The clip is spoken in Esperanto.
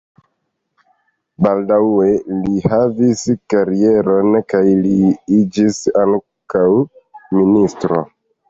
Baldaŭe li havis karieron kaj li iĝis ankaŭ ministro.